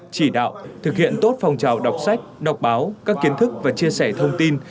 chỉ đạo thực hiện tốt phong trào đọc sách đọc báo các kiến thức và chia sẻ thông tin